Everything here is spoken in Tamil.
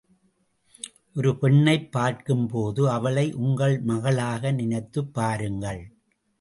ஒரு பெண்ணைப் பார்க்கும்போது, அவளை உங்கள் மகளாக நினைத்துப் பாருங்கள்.